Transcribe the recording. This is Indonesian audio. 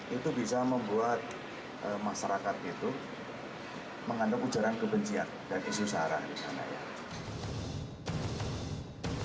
itu bisa membuat masyarakat itu mengandung ujaran kebencian dan isu sara di sana ya